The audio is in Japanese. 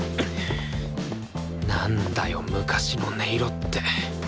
なんだよ昔の音色って。